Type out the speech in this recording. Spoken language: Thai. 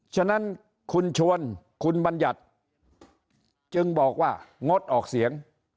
ฉะนั้นคุณชวนคุณบัญญัติจึงบอกว่างดออกเสียง